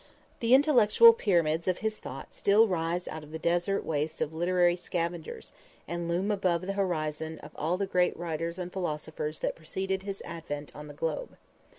The intellectual pyramids of his thought still rise out of the desert wastes of literary scavengers and loom above the horizon of all the great writers and philosophers that preceded his advent on the globe.